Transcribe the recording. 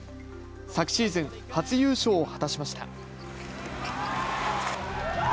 昨シーズン、初優勝を果たしました。